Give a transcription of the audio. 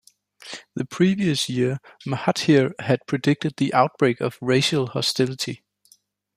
The previous year, Mahathir had predicted the outbreak of racial hostility.